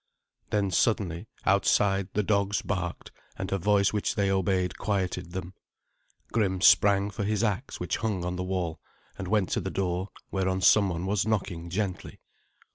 Then suddenly outside the dogs barked, and a voice which they obeyed quieted them. Grim sprang for his axe, which hung on the wall, and went to the door, whereon someone was knocking gently.